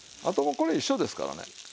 あともうこれ一緒ですからね。